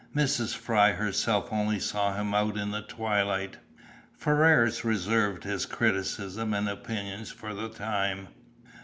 Mrs. Fry herself only saw him out in the twilight." Ferrars reserved his criticism and opinions for the time.